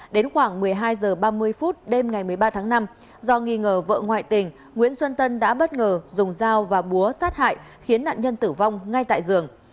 đến khoảng một mươi hai h ba mươi phút đêm ngày một mươi ba tháng năm do nghi ngờ vợ ngoại tình nguyễn xuân tân đã bất ngờ dùng dao và búa sát hại khiến nạn nhân tử vong ngay tại giường